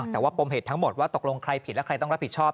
แต่ว่าปมเหตุทั้งหมดว่าตกลงใครผิดและใครต้องรับผิดชอบ